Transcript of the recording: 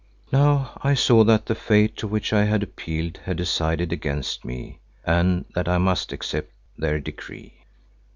Now I saw that the Fates to which I had appealed had decided against me and that I must accept their decree.